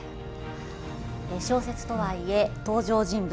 小説とはいえ、登場人物